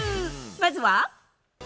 まずは。